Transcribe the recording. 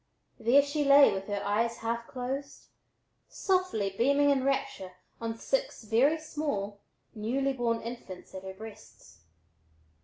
There she lay with her eyes half closed, softly beaming in rapture on six very small, newly born infants at her breasts.